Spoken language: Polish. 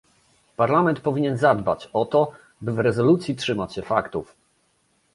Parlament powinien zadbać o to, by w rezolucji trzymać się faktów